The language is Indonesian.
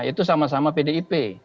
itu sama sama pdip